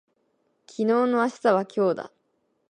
昨日の明日は今日だ